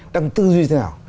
đang tư duy thế nào